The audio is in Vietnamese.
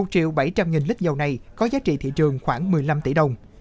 một triệu bảy trăm linh nghìn lít dầu này có giá trị thị trường khoảng một mươi năm tỷ đồng